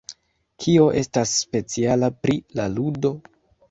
Kio estas speciala pri la ludo?